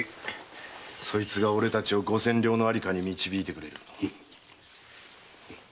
そいつが俺たちを五千両の在処に導いてくれる。